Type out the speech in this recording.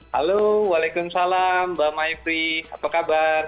halo waalaikumsalam mbak maifri apa kabar